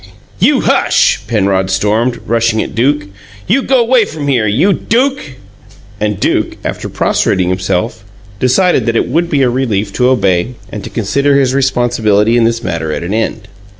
"You hush!" Penrod stormed, rushing at Duke. "You go 'way from here! You DUKE!" And Duke, after prostrating himself, decided that it would be a relief to obey and to consider his responsibilities in this matter at an end.